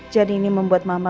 jadi ini membuat mama